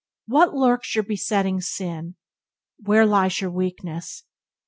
Where lurks your besetting sin? Where lies your weakness?